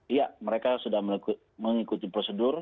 iya mereka sudah mengikuti prosedur